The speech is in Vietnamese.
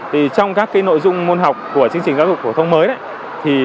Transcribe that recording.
thì trong các nội dung môn học của chương trình giáo dục phổ thông mới